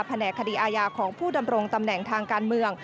แหนกคดีอาญาของผู้ดำรงตำแหน่งทางการเมือง